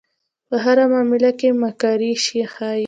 په هره معامله کې مکاري ښيي.